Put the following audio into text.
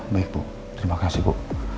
baik bu terima kasih bu